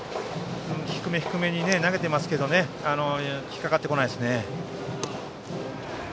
低め低めに投げていますけど引っかかってこないですね。